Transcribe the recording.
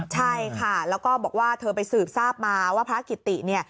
ใช่ค่ะแล้วก็บอกว่าเธอไปสืบทราบมาว่าพระกิติเนี่ย